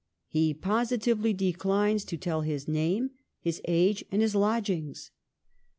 He positively declines to tell his name, his age, and his lodgings.